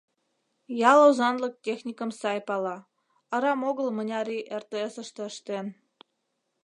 Ял озанлык техникым сай пала, арам огыл мыняр ий РТС-ыште ыштен.